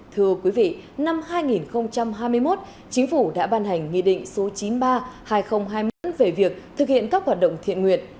thưa quý vị năm hai nghìn hai mươi một chính phủ đã ban hành nghị định số chín mươi ba hai nghìn hai mươi một về việc thực hiện các hoạt động thiện nguyện